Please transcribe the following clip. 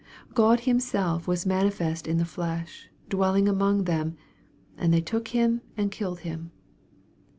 God Himself was manifest in the flesh, dwelling among them, and " they took Him and killed Him."